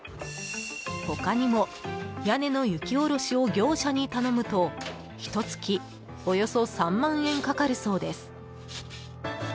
他にも、屋根の雪下ろしを業者に頼むとひと月およそ３万円かかるそうです。